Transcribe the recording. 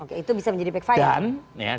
oke itu bisa menjadi backfire kan